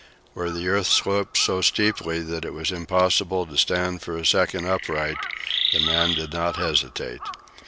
Where the earth sloped so steeply that it was impossible to stand for a second upright, the man did not hesitate.